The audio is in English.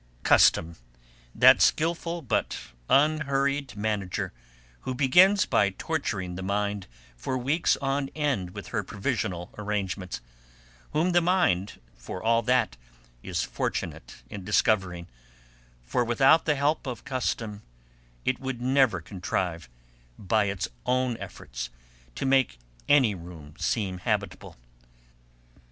Custom! that skilful but unhurrying manager who begins by torturing the mind for weeks on end with her provisional arrangements; whom the mind, for all that, is fortunate in discovering, for without the help of custom it would never contrive, by its own efforts, to make any room seem habitable.